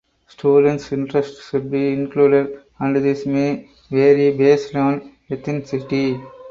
Student’s interests should be included, and this may vary based on ethnicity